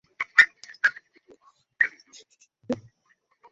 অন্য কোথাও চলে যান।